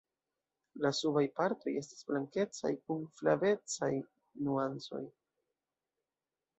La subaj partoj estas blankecaj kun flavecaj nuancoj.